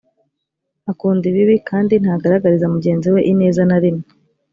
akunda ibibi kandi ntagaragariza mugenzi we ineza na rimwe